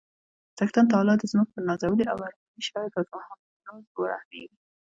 څښتن تعالی دې زموږ پر نازولي او ارماني شاعر راز ورحمیږي